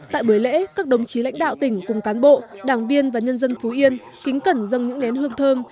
tại buổi lễ các đồng chí lãnh đạo tỉnh cùng cán bộ đảng viên và nhân dân phú yên kính cẩn dân những nén hương thơm